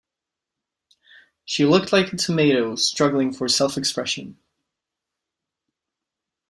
She looked like a tomato struggling for self-expression.